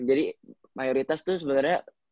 jadi mayoritas tuh sebenernya